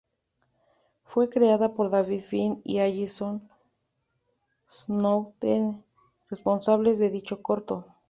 Fue creada por David Fine y Allison Snowden, responsables de dicho corto.